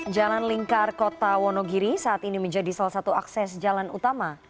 jalan lingkar kota wonogiri saat ini menjadi salah satu akses jalan utama